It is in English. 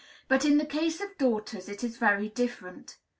But in the case of daughters it is very different.